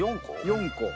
４個。